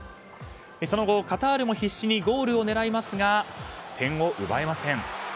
その後、カタールも必死にゴールを狙いますが点を奪えません。